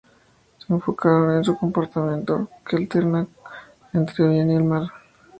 Se enfocaron en su comportamiento, que alterna entre el bien y el mal.